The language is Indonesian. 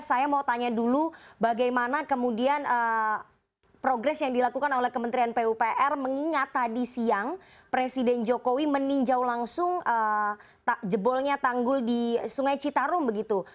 saya mau tanya dulu bagaimana kemudian progres yang dilakukan oleh kementerian pupr mengingat tadi siang presiden jokowi meninjau langsung jebolnya tanggul di sungai citarum begitu